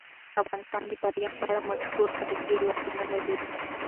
افغانستان د فاریاب په اړه مشهور تاریخی روایتونه لري.